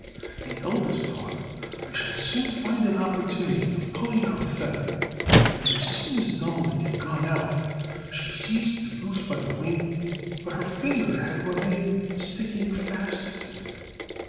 The eldest thought, "I shall soon find an opportunity of pulling out a feather," and as soon as Dummling had gone out she seized the goose by the wing, but her finger and hand remained sticking fast to it.